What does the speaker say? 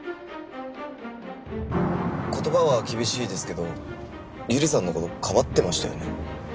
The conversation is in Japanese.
言葉は厳しいですけど百合さんの事かばってましたよね。